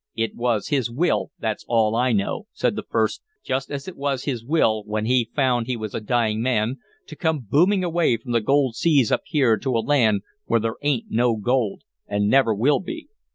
"It was his will, that's all I know," said the first; "just as it was his will, when he found he was a dying man, to come booming away from the gold seas up here to a land where there is n't no gold, and never will be.